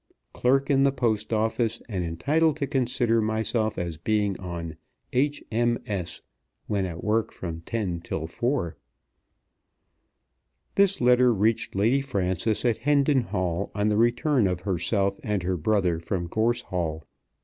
Clerk in the Post Office, and entitled to consider myself as being on "H.M.S." when at work from ten till four. This letter reached Lady Frances at Hendon Hall on the return of herself and her brother from Gorse Hall.